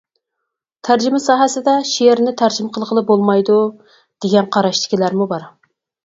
تەرجىمە ساھەسىدە شېئىرنى تەرجىمە قىلغىلى بولمايدۇ دېگەن قاراشتىكىلەرمۇ بار.